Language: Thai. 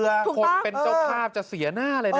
ถูกต้องถูกต้องคนเป็นเจ้าคราบจะเสียหน้าเลยนะ